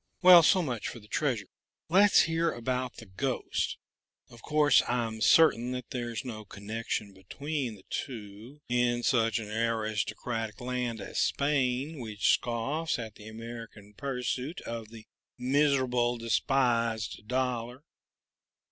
"Well, so much for the treasure let's hear about the ghost. Of course I'm certain that there's no connection between the two, in such an aristocratic land as Spain, which scoffs at the American pursuit of the miserable, despised dollar....